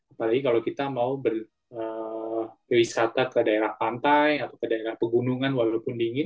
apalagi kalau kita mau berwisata ke daerah pantai atau ke daerah pegunungan walaupun dingin